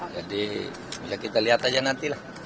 jadi bisa kita lihat aja nanti lah